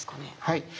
はい。